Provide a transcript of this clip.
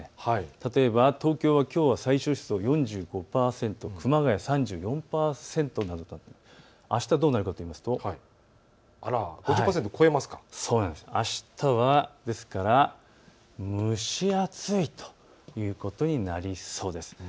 例えば東京はきょう最小湿度４５％、熊谷３４％などとなっていてあすはどうなるかといいますとあしたは蒸し暑いということになりそうです。